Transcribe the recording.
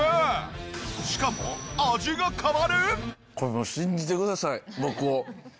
しかも味が変わる！？